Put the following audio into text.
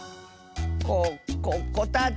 ここ「こたつ」！